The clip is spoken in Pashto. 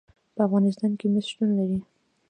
په افغانستان کې مس شتون لري.